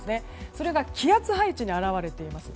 それが気圧配置に表れています。